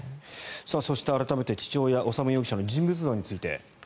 そして改めて父親・修容疑者の人物像について。